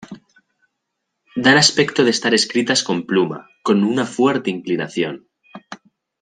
Dan aspecto de estar escritas con pluma, con una fuerte inclinación.